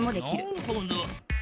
なるほど。